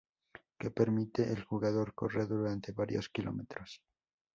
Que permite al jugador correr durante varios kilómetros.